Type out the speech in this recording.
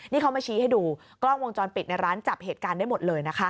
นี่เขามาชี้ให้ดูกล้องวงจรปิดในร้านจับเหตุการณ์ได้หมดเลยนะคะ